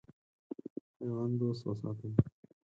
حیوان دوست وساتئ.